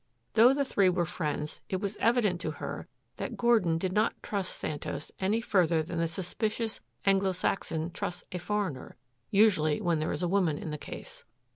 Though the three were friends, it was evident to her that Gordon did not trust Santos any further than the suspicious Anglo Saxon trusts a foreigner usually when there is a woman in the case.